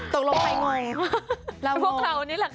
ตกลงไปงง